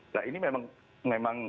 nah ini memang